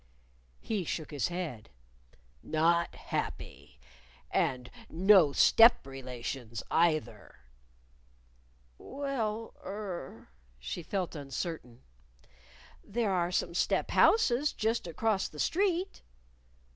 He shook his head. "Not happy! And no step relations, either!" "Well, er," (she felt uncertain) "there are some step houses just across the street."